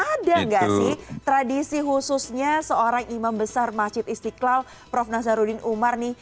ada nggak sih tradisi khususnya seorang imam besar masjid istiqlal prof nazaruddin umar nih